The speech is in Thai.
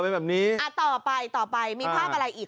เอออ่าต่อไปมีภาพอะไรอีกขอเคลื่อน